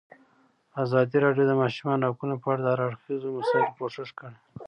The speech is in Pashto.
ازادي راډیو د د ماشومانو حقونه په اړه د هر اړخیزو مسایلو پوښښ کړی.